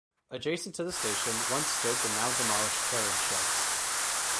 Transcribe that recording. Adjacent to the station once stood the now demolished carriage sheds.